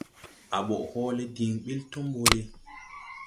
À ɓɔʼ hɔɔlɛ diŋ ɓil tomɓole.